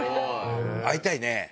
会いたいね。